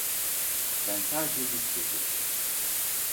Sen sadece dik dur' demişti.